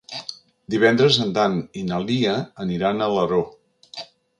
Divendres en Dan i na Lia aniran a Alaró.